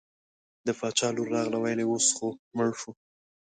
د باچا لور راغله وویل اوس خو مړ شو.